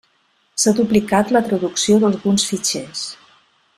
S'ha duplicat la traducció d'alguns fitxers.